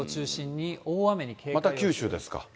また九州ですか。